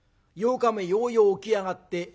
８日目ようよう起き上がって。